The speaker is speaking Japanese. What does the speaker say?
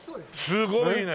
すごいね。